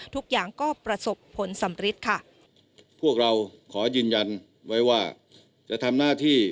ทุกอย่างก็ประสบผลสำริดค่ะพวกเราขอยืนยันไว้ว่าจะทำหน้าที่